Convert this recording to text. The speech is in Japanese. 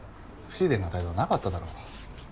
不自然な態度はなかっただろ。